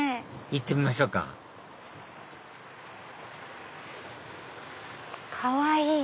行ってみましょうかかわいい。